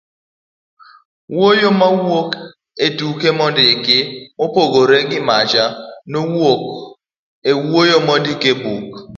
wuoyo mawuok e tuke mondiki, mopogore gi macha mawuok e wuoyo mondik e buk